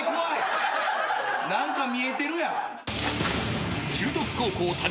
何か見えてるやん。